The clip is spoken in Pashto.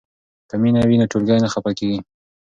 که مینه وي نو ټولګی نه خفه کیږي.